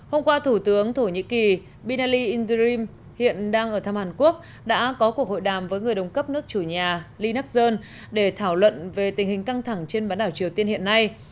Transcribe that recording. hôm qua thủ tướng thổ nhĩ kỳ binali indirim hiện đang ở thăm hàn quốc đã có cuộc hội đàm với người đồng cấp nước chủ nhà ly nắcson để thảo luận về tình hình căng thẳng trên bán đảo triều tiên hiện nay